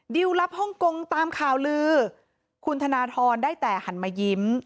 รับฮ่องกงตามข่าวลือคุณธนทรได้แต่หันมายิ้ม